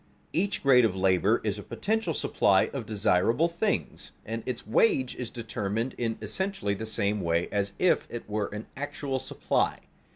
_Each grade of labor is a potential supply of desirable things and its wage is determined in essentially the same way as if it were an actual supply.